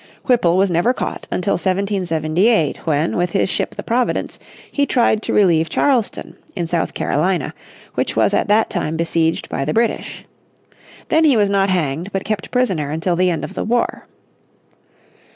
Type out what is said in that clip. Whipple was never caught until 1778, when with his ship the Providence he tried to relieve Charleston, in South Carolina, which was at that time besieged by the British. Then he was not hanged, but kept prisoner until the end of the war.